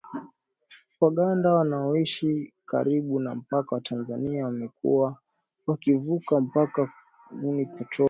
Waganda wanaoishi karibu na mpaka wa Tanzania wamekuwa wakivuka mpaka kununua petroli iliyo bei ya chini ,